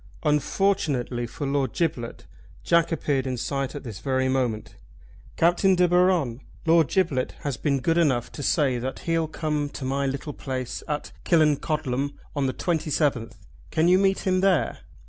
Unfortunately for Lord Giblet Jack appeared in sight at this very moment. "Captain De Baron, Lord Giblet has been good enough to say that he'll come to my little place at Killancodlem on the 27th. Can you meet him there?"